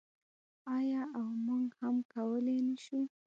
آیا او موږ هم کولی نشو؟